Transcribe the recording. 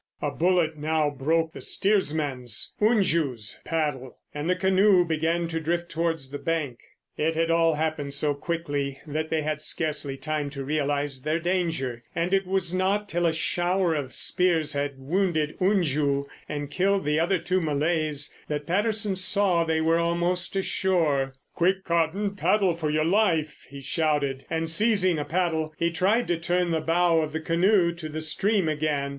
A bullet now broke the steersman's, Unju's, paddle, and the canoe began to drift towards the bank. It had all happened so quickly that they had scarcely time to realise their danger, and it was not till a shower of spears had wounded Unju and killed the other two Malays, that Patterson saw they were almost ashore. "Quick, Cotton, paddle for your life!" he shouted, and, seizing a paddle, he tried to turn the bow of the canoe to the stream again.